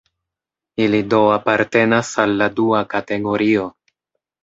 Ili do apartenas al la dua kategorio.